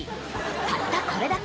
たったこれだけ！